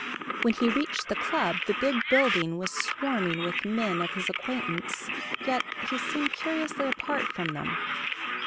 When he reached the club, the big building was swarming with men of his acquaintance, yet he seemed curiously apart from them.